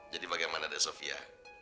jadi bagaimana desofia